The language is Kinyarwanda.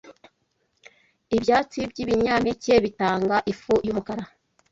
ibyatsi byibinyampeke bitanga ifu yumukara